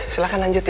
silahkan lanjut ya